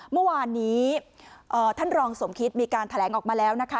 เมื่อวานนี้ท่านรองสมคิตมีการแถลงออกมาแล้วนะคะ